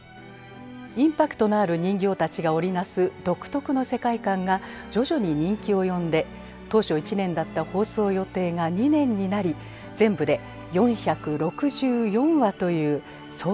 インパクトのある人形たちが織り成す独特の世界観が徐々に人気を呼んで当初１年だった放送予定が２年になり全部で４６４話という壮大な物語になりました。